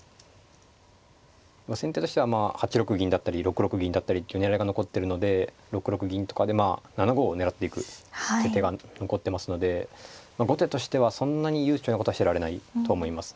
先手としてはまあ８六銀だったり６六銀だったりっていう狙いが残ってるので６六銀とかで７五を狙っていくって手が残ってますので後手としてはそんなに悠長なことはしてられないと思います。